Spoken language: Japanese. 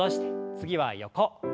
次は横。